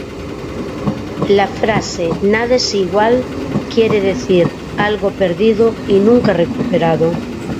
La frase "Nada Es Igual" quiere decir "algo perdido y nunca recuperado".